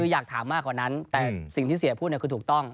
อยากถามมากกว่านั้นแต่สิ่งที่เสียพูดคือถูกต้อง